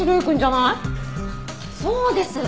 そうです！